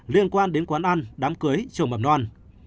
liên quan đến quán ăn đám cưới trường mầm non